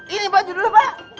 ini pak judulnya pak